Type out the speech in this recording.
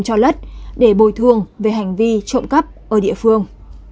cho lất để bồi thương về hành vi trộm cấp ở địa phương